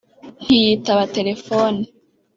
ntiyitaba telefone